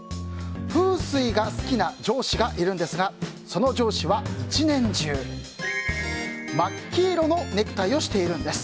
風水が好きな上司がいるんですがその上司は１年中、真っ黄色のネクタイをしているんです。